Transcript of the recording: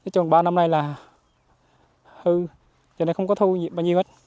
trồng ba năm nay là hư cho nên không có thu bao nhiêu hết